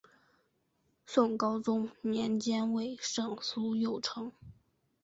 宋高宗年间为尚书右丞。